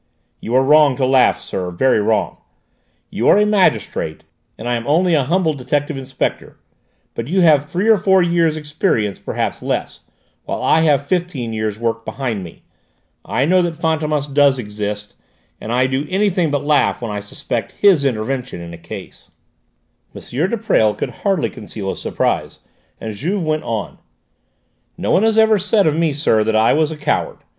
"You are wrong to laugh, sir; very wrong. You are a magistrate and I am only a humble detective inspector, but you have three or four years' experience, perhaps less, while I have fifteen years' work behind me. I know that Fantômas does exist, and I do anything but laugh when I suspect his intervention in a case." M. de Presles could hardly conceal his surprise, and Juve went on: "No one has ever said of me, sir, that I was a coward.